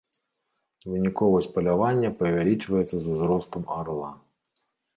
Выніковасць палявання павялічваецца з узростам арла.